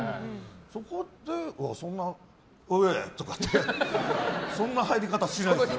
そこでは、そんなにおーい！とかってそんな入り方しないですよ。